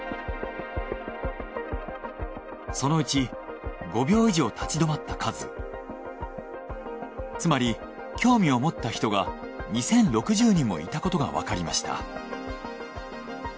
そのうち５秒以上立ち止まった数つまり興味を持った人が２，０６０人もいたことがわかりました。